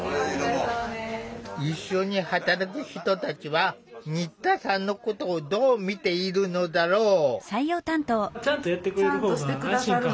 一緒に働く人たちは新田さんのことをどう見ているのだろう？